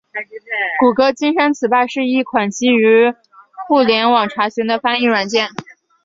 谷歌金山词霸是一款基于互联网查询的翻译软件。